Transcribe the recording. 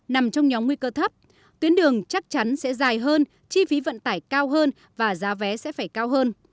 nằm trong nhóm nguy cơ thấp tuyến đường chắc chắn sẽ dài hơn chi phí vận tải cao hơn và giá vé sẽ phải cao hơn